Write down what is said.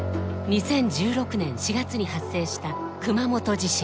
２０１６年４月に発生した熊本地震。